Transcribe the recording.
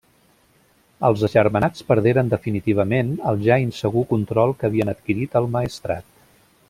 Els agermanats perderen definitivament el ja insegur control que havien adquirit el Maestrat.